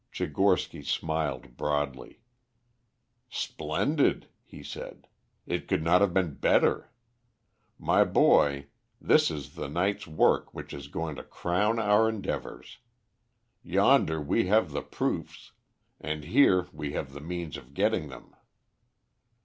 Tchigorsky smiled broadly. "Splendid!" he said. "It could not have been better. My boy, this is the night's work which is going to crown our endeavors. Yonder we have the proofs, and here we have the means of getting them."